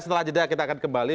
setelah jeda kita akan kembali